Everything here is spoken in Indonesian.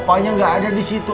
pokoknya nggak ada di situ